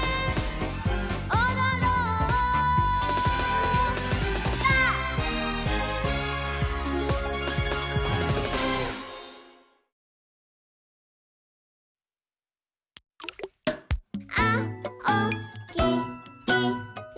「おどろんぱ！」「あおきいろ」